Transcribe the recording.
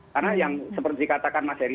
karena yang seperti dikatakan mas eri